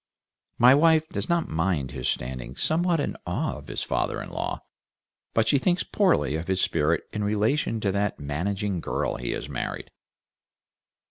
My wife does not mind his standing somewhat in awe of his father in law, but she thinks poorly of his spirit in relation to that managing girl he has married.